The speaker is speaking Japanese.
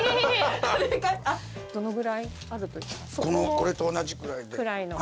これと同じくらいで。